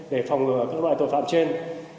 để phòng ngừa các loại tội phạm trên